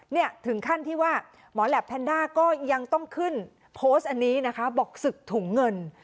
เนี่ยถึงขั้นที่ว่าหมอแหลปแพนด้าก็ยังต้องขึ้นโพสต์อันนี้นะคะบอกศึกถุงเงิน